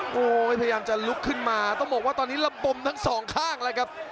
พยักษ์พยังจะลุกขึ้นมาต้องบอกว่าตอนนี้ลำบมทั้งสองข้างเลยครับ